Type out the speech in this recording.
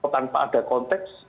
tanpa ada konteks